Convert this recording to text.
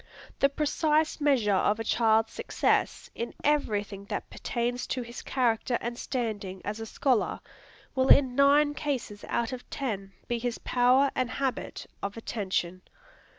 The precise measure of a child's success, in every thing that pertains to his character and standing as a scholar, will in nine cases out of ten be his power and habit of attention.